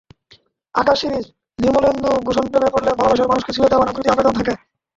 —আকাশ series, Nirmalendu গুসণপ্রেমে পড়লে ভালোবাসার মানুষকে ছুঁয়ে দেওয়ার আকুতি আবেদন থাকে।